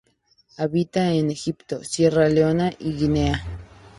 Habita en Egipto, Sierra Leona y Guinea.